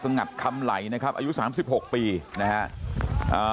งัดคำไหลนะครับอายุสามสิบหกปีนะฮะอ่า